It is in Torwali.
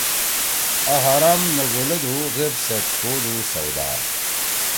آ حرام نُوگُولَدُو غیب سیت کودُو سودا